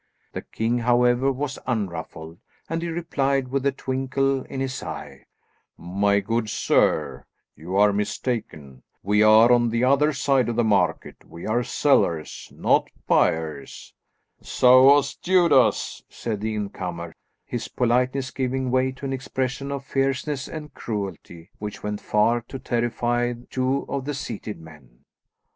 The king, however, was unruffled, and he replied with a twinkle in his eye, "My good sir, you are mistaken, we are on the other side of the market. We are sellers and not buyers." "So was Judas," said the incomer, his politeness giving way to an expression of fierceness and cruelty which went far to terrify two of the seated men.